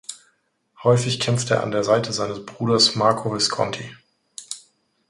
Häufig kämpfte er an der Seite seines Bruders Marco Visconti.